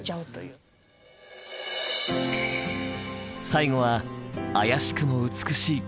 最後は妖しくも美しい。